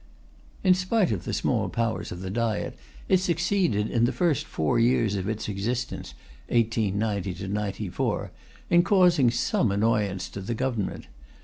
In spite of the small powers of the Diet, it succeeded, in the first four years of its existence (1890 94), in causing some annoyance to the Government.